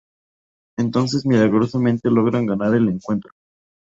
Entonces milagrosamente logran ganar el encuentro.